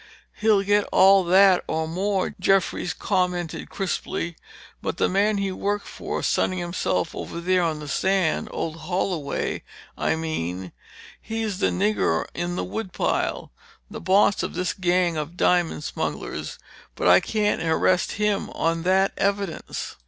"He'll get all that or more," Jeffries commented crisply. "But the man he worked for—sunning himself over there on the sand—old Holloway, I mean—he's the nigger in the woodpile! The boss of this gang of diamond smugglers—but I can't arrest him on that evidence!"